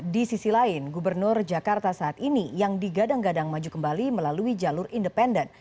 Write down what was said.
di sisi lain gubernur jakarta saat ini yang digadang gadang maju kembali melalui jalur independen